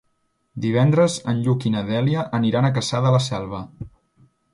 Divendres en Lluc i na Dèlia aniran a Cassà de la Selva.